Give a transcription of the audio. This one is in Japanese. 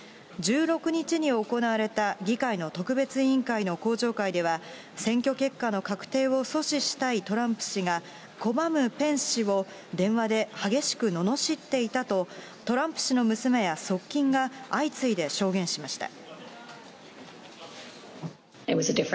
１６日に行われた議会の特別委員会の公聴会では、選挙結果の確定を阻止したいトランプ氏が、拒むペンス氏を電話で激しくののしっていたと、トランプ氏の娘や側近が、相次いで証言しました。